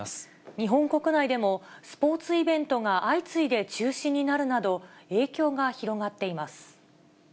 日本国内でもスポーツイベントが相次いで中止になるなど、影響が広がっています。